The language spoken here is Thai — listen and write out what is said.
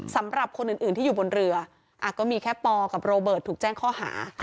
สำหรับคนอื่นที่อยู่บนเรือก็มีแค่ปอกับโรเบิร์ตถูกแจ้งข้อหา